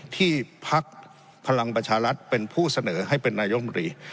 พักพลังประชารัฐเป็นผู้เสนอให้เป็นนายมรี